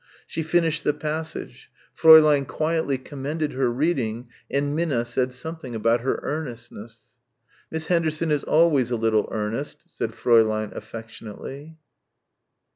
She finished the passage Fräulein quietly commended her reading and Minna said something about her earnestness. "Miss Henderson is always a little earnest," said Fräulein affectionately.